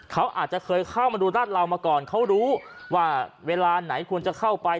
เขาอาจจะเคยเข้ามาดูราดเรามาก่อนเขารู้ว่าเวลาไหนควรจะเข้าไป